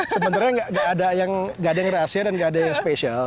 sebenarnya gak ada yang rahasia dan gak ada yang spesial